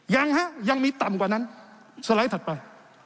ยังฮะยังมีต่ำกว่านั้นสไลด์ถัดไป